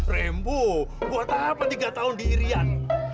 rembu gua tahan tiga tahun di irian